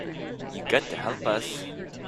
You got to help us.